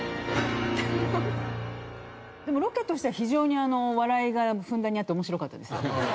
でもロケとしては非常に笑いがふんだんにあって面白かったですけど。